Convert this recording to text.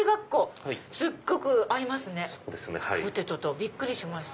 びっくりしました。